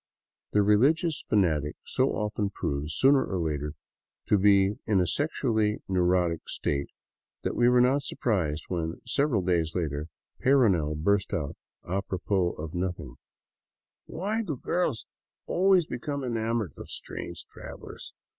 The religious fanatic so often proves, sooner or later, to be in a sexually neurotic state that we were not surprised when, several days later, Peyrounel burst out, apropos of nothing: "Why do girls always become enamored of strange travelers?